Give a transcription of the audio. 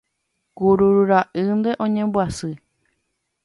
Kururu ra'ýnte oñembyasy